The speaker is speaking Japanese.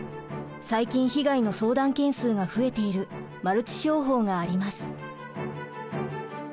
最近被害の相談件数が増えているマルチ商法があります。